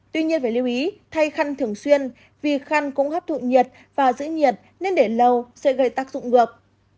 tuy nhiên phải lưu ý thay khăn thường xuyên vì khăn cũng hấp thụ nhiệt và giữ nhiệt nên để lâu sẽ gây tác dụng ngược